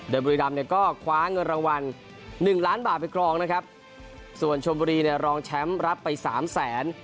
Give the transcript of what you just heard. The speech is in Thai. โดยบุรีรำเนี่ยก็คว้าเงินรางวัลหนึ่งล้านบาทไปครองนะครับส่วนชมบุรีเนี่ยรองแชมป์รับไปสามแสน